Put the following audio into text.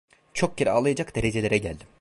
Çok kere ağlayacak derecelere geldim.